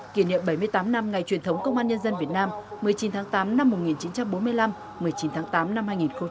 kỷ niệm bảy mươi tám năm ngày truyền thống công an nhân dân việt nam một mươi chín tháng tám năm một nghìn chín trăm bốn mươi năm một mươi chín tháng tám năm hai nghìn hai mươi